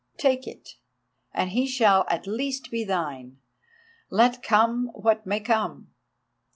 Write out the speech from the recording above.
Take it, and he shall at least be thine, let come what may come.